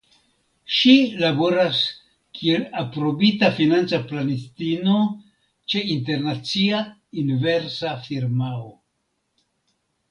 Ŝi laboras kiel Aprobita Financa Planistino ĉe internacia inversa firmao.